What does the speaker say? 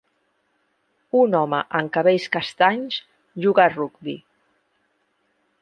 Un home amb cabells castanys juga a rugbi.